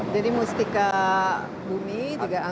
jadi mustika bumi antareja